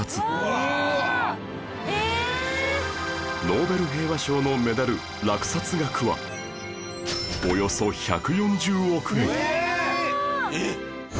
ノーベル平和賞のメダル落札額はおよそ１４０億円えーっ！？